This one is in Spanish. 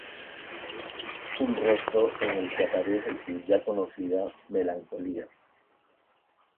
Un rostro en el que aparece su ya conocida melancolía.